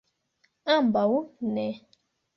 Ambaŭ ne.